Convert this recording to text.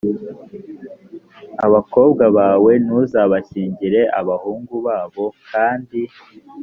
abakobwa bawe ntuzabashyingire abahungu babo kandi